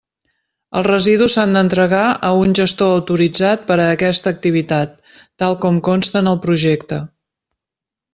Els residus s'han d'entregar a un gestor autoritzat per a aquesta activitat, tal com consta en el projecte.